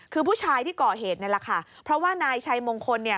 คือผู้ชายที่ก่อเหตุนี่แหละค่ะเพราะว่านายชัยมงคลเนี่ย